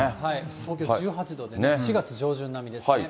東京１８度で、４月上旬並みですね。